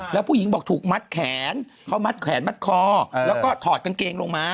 แล้วผู้หญิงบอกถูกมัดแขนเขามัดแขนมัดคอแล้วก็ถอดกางเกงลงมา